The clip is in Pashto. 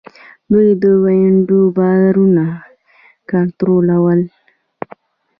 دوی د ونډو بازارونه کنټرولوي.